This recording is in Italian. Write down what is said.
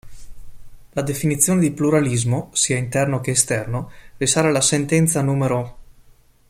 La definizione di pluralismo, sia interno che esterno, risale alla sentenza n.